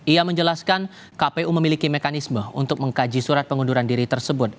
ia menjelaskan kpu memiliki mekanisme untuk mengkaji surat pengunduran diri tersebut